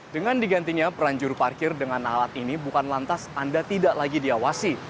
dengan digantinya peran juru parkir dengan alat ini bukan lantas anda tidak lagi diawasi